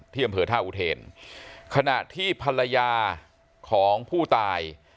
อำเภอท่าอุเทนขณะที่ภรรยาของผู้ตาย